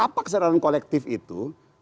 apa kesadaran kolektif itu